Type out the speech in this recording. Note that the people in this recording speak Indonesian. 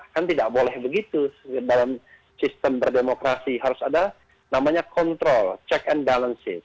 kan tidak boleh begitu dalam sistem berdemokrasi harus ada namanya kontrol check and balances